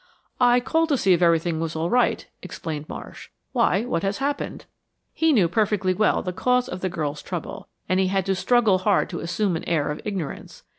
"I called to see if everything was all right," explained Marsh. "Why, what has happened?" He knew perfectly well the cause of the girl's trouble, and he had to struggle hard to assume an air of ignorance.